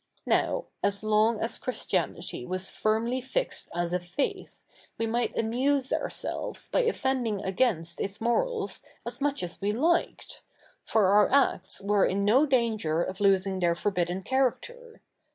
Now, as long as Christia7iity ivas firmly fixed as a faith, we might amuse ourselves by offefidifig agai?ist its morals as much as ive liked : for our acts ivere in no danger of losing their forbidden character.